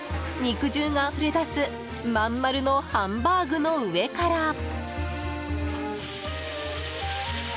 肉汁があふれ出す真ん丸のハンバーグの上から。